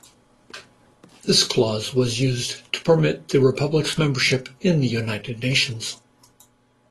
This clause was used to permit the republic's membership in the United Nations.